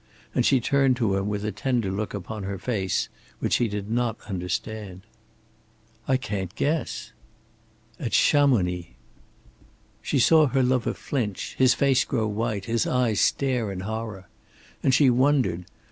and she turned to him with a tender look upon her face which he did not understand. "I can't guess." "At Chamonix!" She saw her lover flinch, his face grow white, his eyes stare in horror. And she wondered.